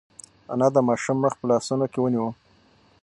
انا د ماشوم مخ په لاسونو کې ونیو.